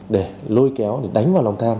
để lôi kéo đánh vào lòng tham